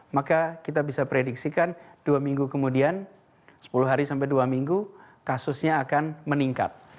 maka kita bisa prediksikan dua minggu kemudian sepuluh hari sampai dua minggu kasusnya akan meningkat